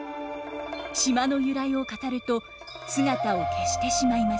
島の由来を語ると姿を消してしまいます。